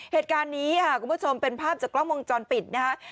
เหตุการณ์นี้ค่ะคุณผู้ชมเป็นภาพจากกล้องวงจรปิดนะฮะ